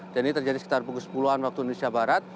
dan ini terjadi sekitar pukul sepuluh an waktu indonesia barat